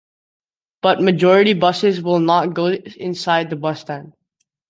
But majority buses will not go inside the Bus Stand.